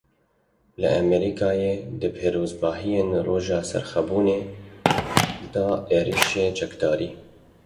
Li Amerîkayê di pîrozbahiyên Roja Serxwebûnê de êrişa çekdarî.